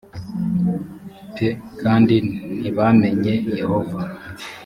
p kandi ntibamenye yehova